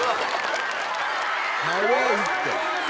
早いって。